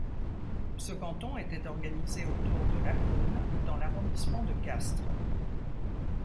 Ce canton était organisé autour de Lacaune dans l'arrondissement de Castres.